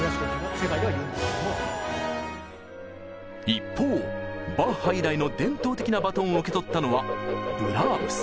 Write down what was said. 一方バッハ以来の伝統的なバトンを受け取ったのはブラームス。